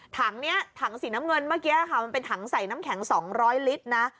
ถังนี้ถังสีน้ำเงินเมื่อกี้ค่ะมันเป็นถังใส่น้ำแข็ง๒๐๐ลิตรนะ